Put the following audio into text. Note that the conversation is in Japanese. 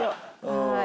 はい。